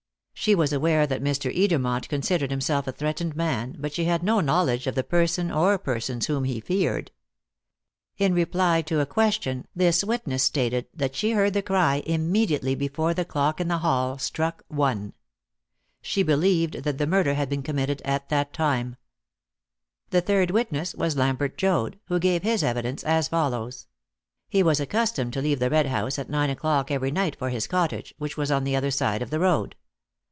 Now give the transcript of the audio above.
She was aware that Mr. Edermont considered himself a threatened man, but she had no knowledge of the person or persons whom he feared. In reply to a question, this witness stated that she heard the cry immediately before the clock in the hall struck "one." She believed that the murder had been committed at that time. The third witness was Lambert Joad, who gave his evidence as follows: He was accustomed to leave the Red House at nine o'clock every night for his cottage, which was on the other side of the road.